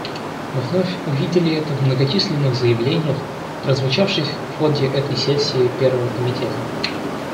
Мы вновь увидели это в многочисленных заявлениях, прозвучавших в ходе этой сессии Первого комитета.